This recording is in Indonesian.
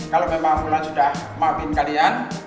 kalau memang bulan sudah maafin kalian